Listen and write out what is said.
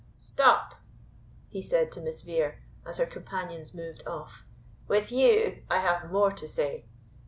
Stop!" he said to Miss Vere, as her companions moved off, "With you I have more to say.